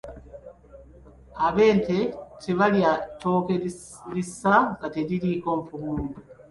Abente tebaalyanga ttooke lissa nga teririiko mpummumpu.